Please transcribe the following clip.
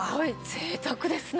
ぜいたくですね。